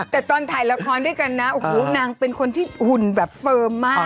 แต่ตอนถ่ายละครด้วยกันนะโอ้โหนางเป็นคนที่หุ่นแบบเฟิร์มมาก